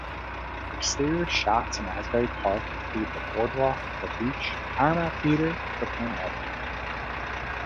Exterior shots in Asbury Park include the boardwalk, the beach, Paramount Theatre, Cookman Avenue.